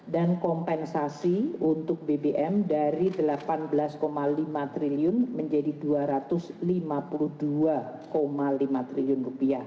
dan kompensasi untuk bpm dari rp delapan belas lima triliun menjadi rp dua ratus lima puluh dua lima triliun